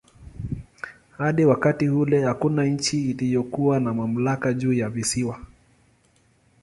Hadi wakati ule hakuna nchi iliyokuwa na mamlaka juu ya visiwa.